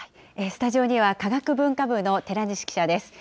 スタジオには、科学文化部の寺西記者です。